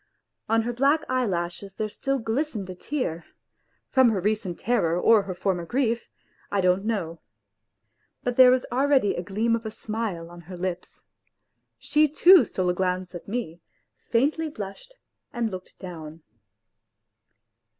On her black eyelashes there still glistened a tear from her recent terror or her former grief I don't know. But there was already a gleam of a smile on her lips. She too stole a glance at me, faintly blushed and looked down.